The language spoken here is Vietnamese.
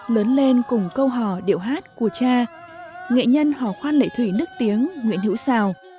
lớn lên cùng câu hò điệu hát của cha nghệ nhân họ khoan lệ thủy nức tiếng nguyễn hữu sào